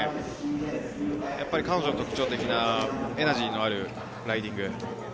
彼女、特徴的なエナジーのあるライディング。